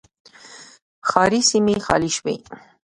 ښاري سیمې خالي شوې